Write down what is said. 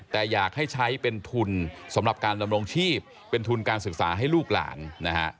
แต่อยากให้ใช้เป็นทุนสำหรับการดำรงชีพเป็นทุนการศึกษาให้ลูกหลานนะฮะ